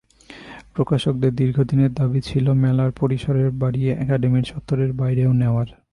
প্রকাশকদের দীর্ঘদিনের দাবি ছিল মেলার পরিসর বাড়িয়ে একাডেমি চত্বরের বাইরে নেওয়ার।